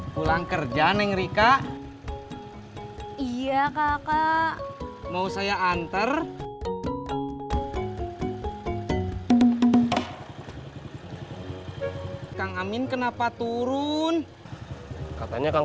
pulang kerja nengrika iya kakak mau saya anter kang amin kenapa turun katanya kang